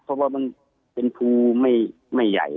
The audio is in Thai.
เพราะว่ามันเป็นภูไม่ใหญ่